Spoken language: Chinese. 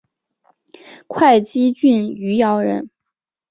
会稽郡余姚人。